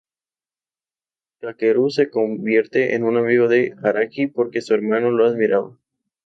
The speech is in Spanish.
Kakeru se convierte en un amigo de Araki porque su hermano lo admiraba.